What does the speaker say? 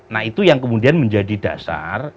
nah itu yang kemudian menjadi dasar